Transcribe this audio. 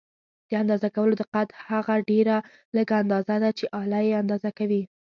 د اندازه کولو دقت هغه ډېره لږه اندازه ده چې آله یې اندازه کوي.